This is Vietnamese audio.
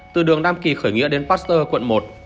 từ đường nam kỳ khởi nghĩa đến pasteur quận một